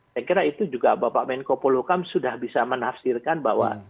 saya kira itu juga bapak menko polukam sudah bisa menafsirkan bahwa